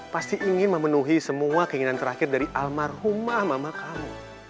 pasti ingin memenuhi semua keinginan terakhir dari almarhumah mama kamu